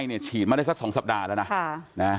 สูตรไข้ให้เฉียนมาได้สัก๒สัปดาห์แล้วนะ